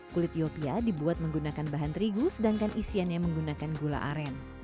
kulit yopia dibuat menggunakan bahan terigu sedangkan isiannya menggunakan gula aren